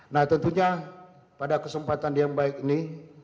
nah tentunya pada kesempatan yang baik ini